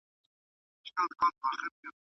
سياستپوهنه د نورو علومو په څېر څو مرکزي ده.